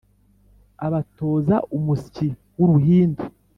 abatoza umusyi w’uruhindu